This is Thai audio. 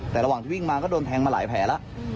แต่ระหว่างที่วิ่งมาก็โดนแทงมาหลายแผลแล้ว